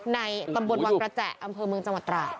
ในตำบลวังกระแจอำเภอเมืองจังหวัดตราด